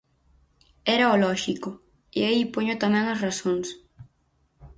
Era o lóxico e aí poño tamén as razóns.